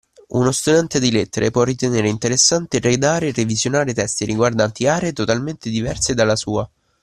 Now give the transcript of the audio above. Uno studente di Lettere può ritenere interessante redare e revisionare testi riguardanti aree totalmente diverse dalla sua